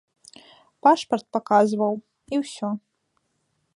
Пашпарт паказваў, і ўсё.